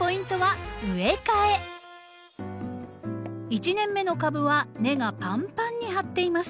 １年目の株は根がパンパンに張っています。